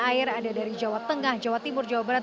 air ada dari jawa tengah jawa timur jawa barat